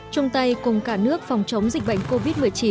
chung tay cùng cả nước phòng chống dịch bệnh covid một mươi chín